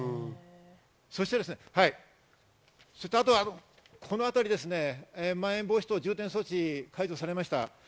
それと、あとはこの辺り、まん延防止等重点措置が解除されました。